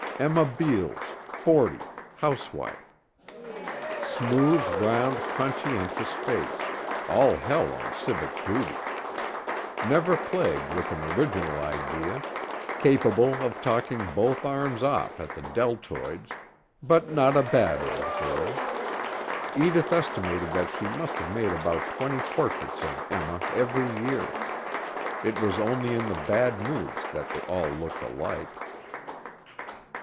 Emma Beales, forty, housewife. Smooth round conscientious face, all hell on civic duty. Never plagued with an original idea, capable of talking both arms off at the deltoids, but not a bad old girl. Edith estimated that she must have made about twenty portraits of Emma every year; it was only in the bad moods that they all looked alike.